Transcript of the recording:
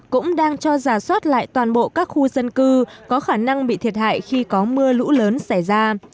cũng đang cho giả soát lại toàn bộ các khu dân cư có khả năng bị thiệt hại khi có mưa lũ lớn xảy ra